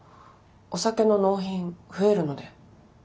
お酒の納品増えるので。